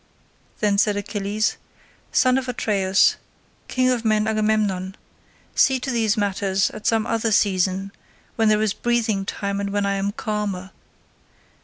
Then said Achilles, "Son of Atreus, king of men Agamemnon, see to these matters at some other season, when there is breathing time and when I am calmer.